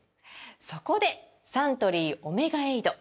そこでサントリー「オメガエイド」！